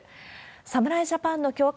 侍ジャンパンの強化